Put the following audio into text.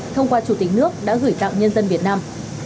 thông qua chủ tịch nước đã gửi tặng nhân dân việt nam